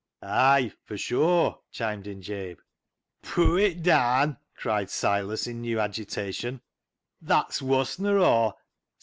" Ay 1 for sure," chimed in Jabe. " Poo' it daan !" cried Silas, in new agita tion ;" that's woss nor aw.